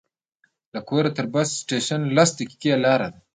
له کوره تر بس سټېشن لس دقیقې لاره ده.